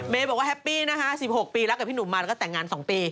เม้บอกว่าแฮปปี้นะฮะ๑๖ปีรักกับพี่หนุ่มมา